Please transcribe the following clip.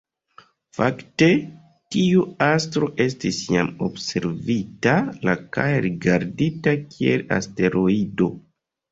Fakte, tiu astro estis jam observita la kaj rigardita kiel asteroido.